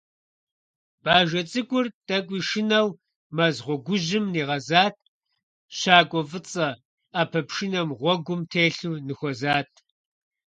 Бажэ цӀыкӀур тӀэкӀуи шынэу мэз гъуэгужьым нигъэзат, щӀакӀуэ фӀыцӀэ, Ӏэпэ пшынэ гъуэгум телъу ныхуэзат.